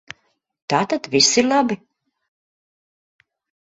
Tātad viss ir labi.